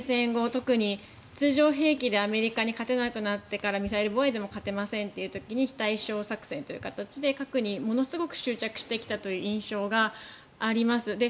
特に通常兵器でアメリカに勝てなくなってからミサイル防衛でも勝てませんという時に非対称作戦ということで核にものすごく執着してきた印象があります。